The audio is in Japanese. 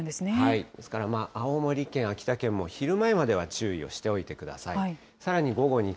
ですから、青森県、秋田県も昼前までは注意しておいてください。